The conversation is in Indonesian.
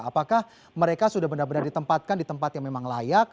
apakah mereka sudah benar benar ditempatkan di tempat yang memang layak